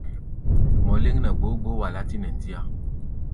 Mɔ léŋ nɛ gboó gboó, wa látí nɛ ndíá.